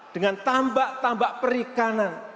dengan tambak tambak perikanan